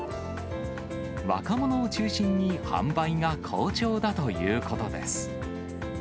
若者を中心に販売が好調だということです。